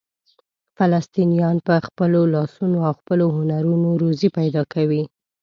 فلسطینیان په خپلو لاسونو او خپلو هنرونو روزي پیدا کوي.